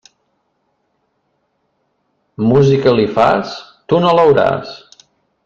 Música li fas? Tu no l'hauràs.